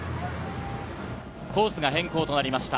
コースが変更になりました。